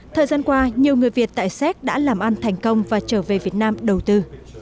thời gian qua nhiều người việt tại séc đã làm ăn thành công và trở về việt nam đầu tư